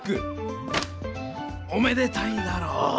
おめでたいだろう？